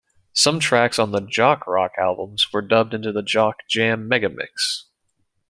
Some tracks on the "Jock Rock" albums were dubbed into the "Jock Jam Megamix".